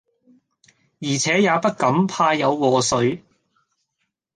而且也不敢，怕有禍祟。